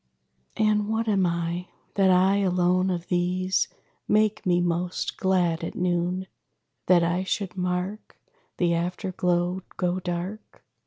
And what am I? That I alone of these Make me most glad at noon? That I should mark The after glow go dark?